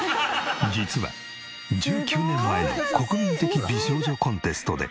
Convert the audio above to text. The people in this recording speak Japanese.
実は１９年前の国民的美少女コンテストで。